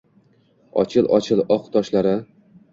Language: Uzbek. Ochil-ochil, oq toshlar-a.